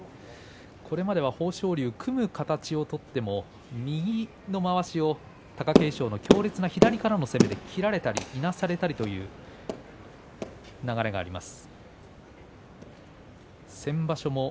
これまでも豊昇龍組むという形を取っても右のまわしを貴景勝の強烈な攻めで切られたり、いなされたりということになっていく流れがあります。